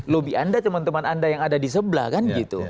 lobby anda teman teman anda yang ada di sebelah kan gitu